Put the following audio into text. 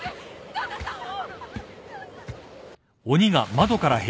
旦那さんを。